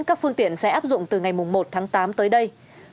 các phương tiện sẽ áp dụng từ ngày một tháng tám tới đây